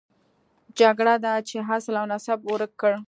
جګړه ده چې اصل او نسب یې ورک کړ.